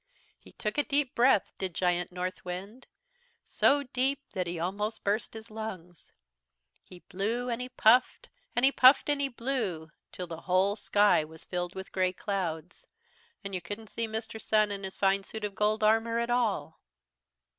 "He took a deep breath, did Giant Northwind, so deep that he almost burst his lungs. He blew and he puffed and he puffed and he blew till the whole sky was filled with grey clouds. And you couldn't see Mr. Sun and his fine suit of gold armour at all.